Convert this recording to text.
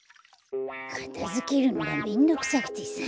かたづけるのがめんどくさくてさ。